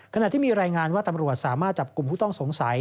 ขณะที่มีรายงานว่าตำรวจสามารถจับกลุ่มผู้ต้องสงสัย